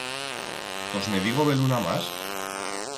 Tos ne digo beluna mas?